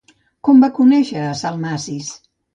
Com va conèixer a Salmacis?